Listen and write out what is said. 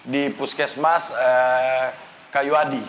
di puskesmas kayu adi